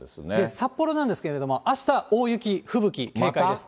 札幌なんですけども、あした、大雪、吹雪、警戒です。